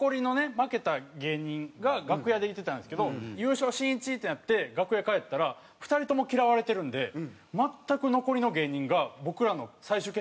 負けた芸人が楽屋で言ってたんですけど優勝しんいちってなって楽屋帰ったら２人とも嫌われてるんで全く残りの芸人が僕らの最終決戦見てなくて。